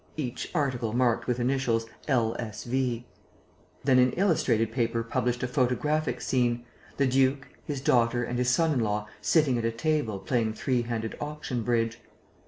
Each article marked with initials L. S. V." Then an illustrated paper published a photographic scene: the duke, his daughter and his son in law sitting at a table playing three handed auction bridge.